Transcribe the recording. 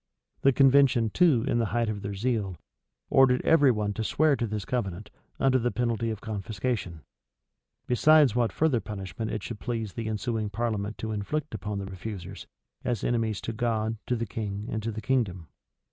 [*] The convention, too, in the height of their zeal, ordered every one to swear to this covenant, under the penalty of confiscation; besides what further punishment it should please the ensuing parliament to inflict on the refusers, as enemies to God, to the king, and to the kingdom.